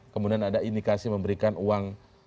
kemudian ada indikasi memberikan uang